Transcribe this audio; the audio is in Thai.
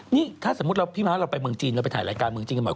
นี่ถ้าสมมุติพี่ม้าเราไปเมืองจีนเราไปถ่ายรายการเมืองจีนกันหน่อย